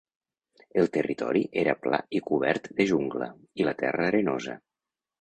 El territori era pla i cobert de jungla, i la terra arenosa.